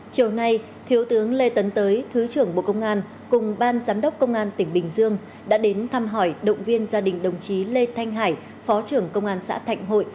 chiều nay thiếu tướng lê tấn tới thứ trưởng bộ công an cùng ban giám đốc công an tỉnh bình dương đã đến thăm hỏi động viên gia đình đồng chí lê thanh hải phó trưởng công an xã thạnh hội